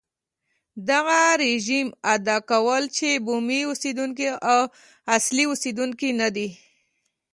دغه رژیم ادعا کوله چې بومي اوسېدونکي اصلي اوسېدونکي نه دي.